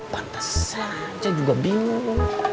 pantes aja juga bingung